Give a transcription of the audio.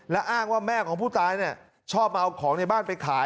และอ้างว่าแม่ของผู้ตายชอบมาเอาของในบ้านไปขาย